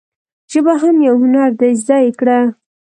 ژبه هم یو هنر دي زده یی کړه.